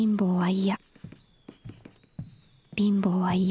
「貧乏は嫌。